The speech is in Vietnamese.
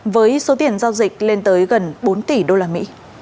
với số tiền giao dịch lên tới gần bốn tỷ usd